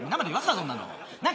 そんなの。